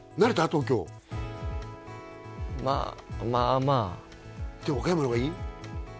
東京まあまあまあでも岡山の方がいい？